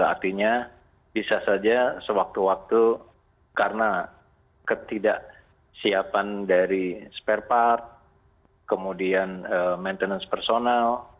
artinya bisa saja sewaktu waktu karena ketidaksiapan dari spare part kemudian maintenance personal